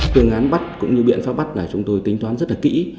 phương án bắt cũng như biện pháp bắt là chúng tôi tính toán rất là kỹ